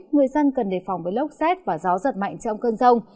người dân cần đề phòng với lốc xét và gió giật mạnh trong cơn rông